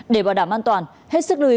để bảo đảm an toàn hết sức lưu ý